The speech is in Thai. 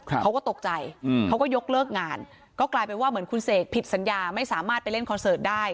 เขาก็ตกใจอืมเขาก็ยกเลิกงานก็กลายเป็นว่าเหมือนคุณเสกผิดสัญญาไม่สามารถไปเล่นคอนเสิร์ตได้